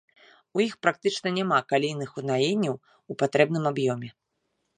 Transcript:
У іх практычна няма калійных угнаенняў у патрэбным аб'ёме.